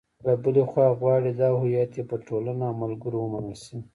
له بلې خوا غواړي دا هویت یې په ټولنه او ملګرو ومنل شي.